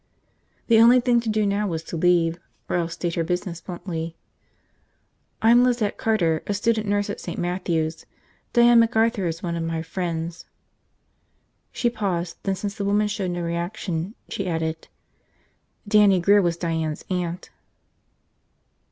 The only thing to do now was to leave. Or else state her business bluntly. "I'm Lizette Carter, a student nurse at St. Matthew's. Diane McArthur is one of my friends." She paused, then since the woman showed no reaction she added, "Dannie Grear was Diane's aunt."